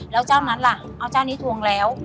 แล้วเจ้านั้นล่ะเอาเจ้านี้ทวงแล้ว